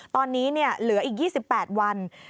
ตอนนี้เหลืออีก๒๘วัน